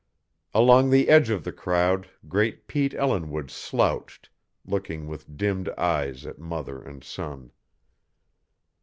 Along the edge of the crowd great Pete Ellinwood slouched, looking with dimmed eyes at mother and son.